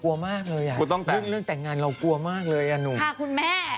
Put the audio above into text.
อะกลัวมากเลยเหรอเรื่องแต่งงานเราเกลียดังแน่เลย